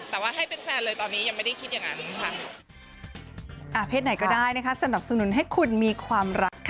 แต่ว่าให้เป็นแฟนเลยตอนนี้ยังไม่ได้คิดอย่างนั้นค่ะ